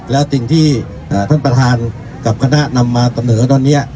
แล้วสิ่งที่ท่านประธานกับคณะนำมาเสนอตอนนี้